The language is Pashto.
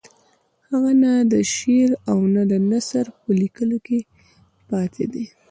هغه نه د شعر او نه د نثر په لیکلو کې پاتې دی.